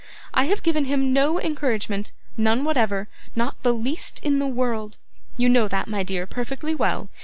I have given him no encouragement none whatever not the least in the world. You know that, my dear, perfectly well.